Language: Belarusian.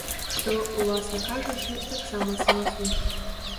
Што, уласна кажучы, таксама самасуд.